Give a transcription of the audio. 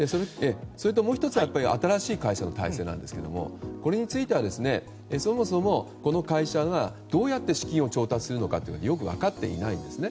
もう１つ、新しい会社の体制なんですけどもこれについてはそもそも、この会社がどうやって資金を調達するのかよく分かっていないんですね。